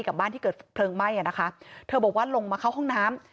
กับบ้านที่เกิดเพลิงไหม้อะนะคะเธอบอกว่าลงมาเข้าห้องน้ำ